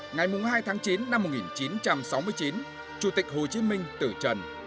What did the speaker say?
ngày hai tháng chín năm một nghìn chín trăm sáu mươi chín chủ tịch hồ chí minh tử trần